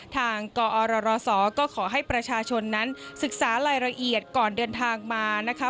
กอรศก็ขอให้ประชาชนนั้นศึกษารายละเอียดก่อนเดินทางมานะคะ